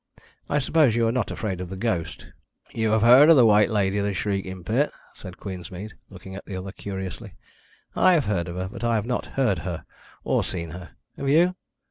I suppose you are not afraid of the ghost?" "You have heard of the White Lady of the Shrieking Pit?" said Queensmead, looking at the other curiously. "I have heard of her, but I have not heard her, or seen her. Have you?"